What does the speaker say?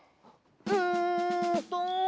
うんと。